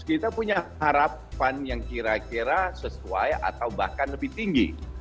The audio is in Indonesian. kita punya harapan yang kira kira sesuai atau bahkan lebih tinggi